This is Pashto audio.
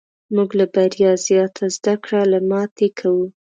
موږ له بریا زیاته زده کړه له ماتې کوو.